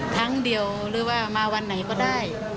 ครั้งเดียวหรือว่ามาวันไหนก็ได้